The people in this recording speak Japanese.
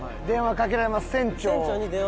電話かけられます